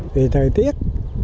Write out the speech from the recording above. vì thời tiết